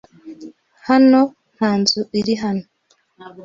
Hano nta nzu iri hano.